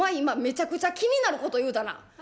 今めちゃくちゃ気になること言うたな。